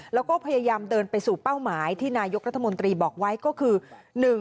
แล้วก็พยายามเดินไปสู่เป้าหมายที่นายกรัฐมนตรีบอกไว้ก็คือ